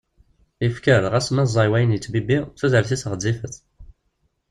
Ifker, ɣas ma ẓẓay wayen yettbibbi, tudert-is ɣezzifet.